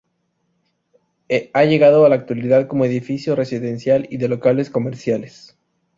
Ha llegado a la actualidad como edificio residencial y de locales comerciales.